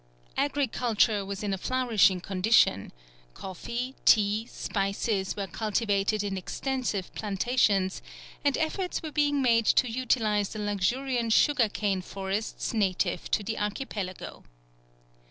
Agriculture was in a flourishing condition; coffee, tea, spices, were cultivated in extensive plantations, and efforts were being made to utilize the luxuriant sugar cane forests native to the archipelago.